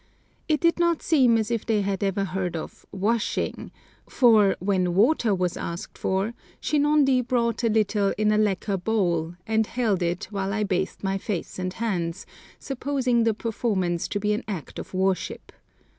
It did not seem as if they had ever heard of washing, for, when water was asked for, Shinondi brought a little in a lacquer bowl, and held it while I bathed my face and hands, supposing the performance to be an act of worship!